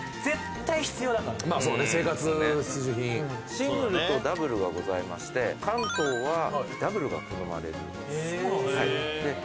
シングルとダブルがございまして。が好まれる。